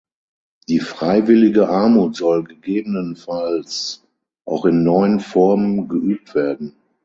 Die freiwillige Armut soll „gegebenenfalls auch in neuen Formen“ geübt werden.